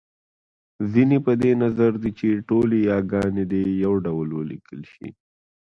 ځينې په دې نظر دی چې ټولې یاګانې دې يو ډول وليکل شي